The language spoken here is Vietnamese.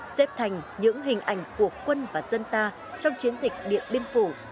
xếp thành những hình ảnh của quân và dân ta trong chiến dịch điện biên phủ